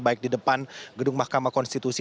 baik di depan gedung mahkamah konstitusi